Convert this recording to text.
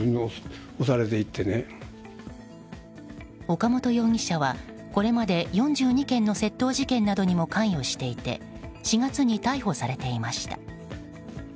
岡本容疑者はこれまで４２件の窃盗事件などにも関与していて４月に逮捕されていました。